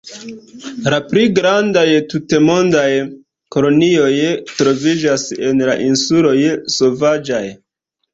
La pli grandaj tutmondaj kolonioj troviĝas en la insuloj Sovaĝaj.